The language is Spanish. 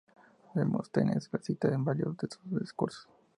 Demóstenes le cita en varios de sus "Discursos".